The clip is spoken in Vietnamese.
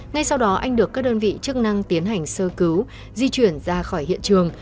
ngay sau đó anh được các đơn vị chức năng tiến hành sơ cứu di chuyển ra khỏi hiện trường